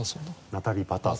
ナタリー・パターソン。